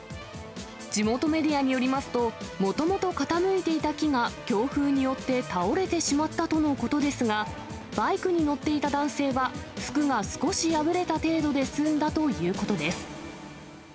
地元メディアによりますと、もともと傾いていた木が強風によって倒れてしまったとのことですが、バイクに乗っていた男性は服が少し破れた程度で済んだということです。